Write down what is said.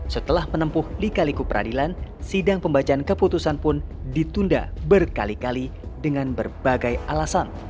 setelah menempuh lika liku peradilan sidang pembacaan keputusan pun ditunda berkali kali dengan berbagai alasan